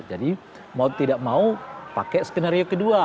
jadi mau tidak mau pakai skenario kedua